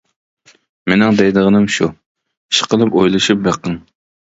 مېنىڭ دەيدىغىنىم شۇ، ئىشقىلىپ ئويلىشىپ بېقىڭ.